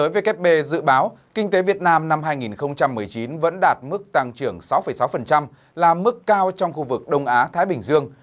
việt nam năm hai nghìn một mươi chín vẫn đạt mức tăng trưởng sáu sáu là mức cao trong khu vực đông á thái bình dương